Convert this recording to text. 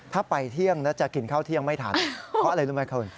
ถ้าไปเที่ยงแล้วจะกินข้าวเที่ยงไม่ทันเพราะอะไรรู้ไหมคุณ